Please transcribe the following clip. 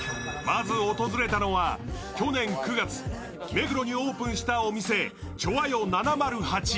まず訪れたのは、去年９月目黒にオープンしたお店、チョアヨ７０８。